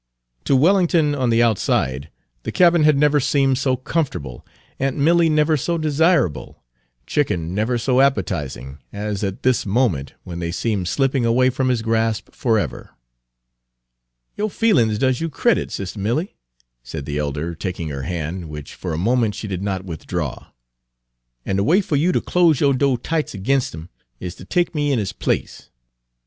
To Wellington, on the outside, the cabin had never seemed so comfortable, aunt Milly never so desirable, chicken never so appetizing, as at this moment when they seemed slipping away from his grasp forever. "Yo' feelin's does you credit, Sis' Milly," said the elder, taking her hand, which for a moment she did not withdraw. "An' de way fer you ter close yo' do' tightes' ag'inst 'im is ter take me in his place.